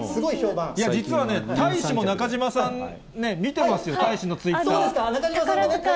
実はね、大使も中島さん、見てますよ、大使のツイッター。